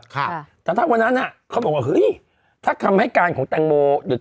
ค่ะแต่ถ้าวันนั้นอ่ะเขาบอกว่าเฮ้ยถ้าคำให้การของแตงโมหรือ